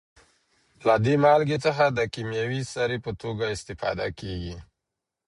له دې مالګې څخه د کیمیاوي سرې په توګه استفاده کیږي.